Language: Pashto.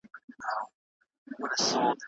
مثبتي خاطرې مو د ژوند ملغلرې دي.